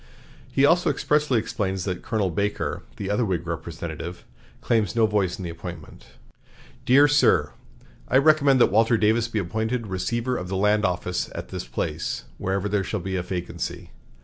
He also expressly explains that Colonel Baker, the other Whig representative, claims no voice in the appointment. "DEAR SIR: I recommend that Walter Davis be appointed Receiver of the Land Office at this place, whenever there shall be a vacancy.